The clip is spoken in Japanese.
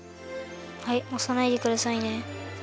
はいおさないでくださいね。